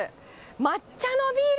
抹茶ビール。